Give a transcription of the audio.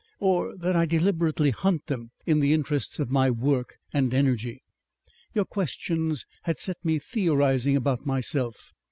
Or that I deliberately hunt them in the interests of my work and energy. Your questions had set me theorizing about myself.